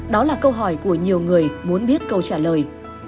đó là câu hỏi của nhiều người muốn biết câu trả lời